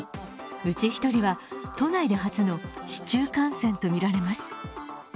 うち１人は都内で初の市中感染とみられます。